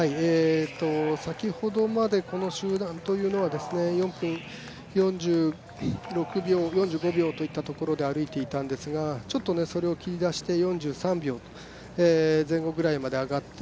先ほどまでこの集団というのは４分４６秒、４５秒といったところで歩いていたんですがじっくり攻めていってほしいですね。